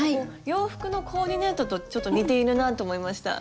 洋服のコーディネートとちょっと似ているなと思いました。